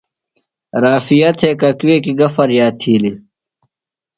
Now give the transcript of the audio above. رافعہ تھےۡ ککوکیۡ گہ فریاد تِھیلیۡ؟